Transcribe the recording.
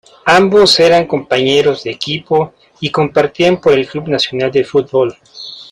Ambos eran compañeros de equipo y competían por el Club Nacional de Football.